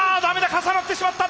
重なってしまった！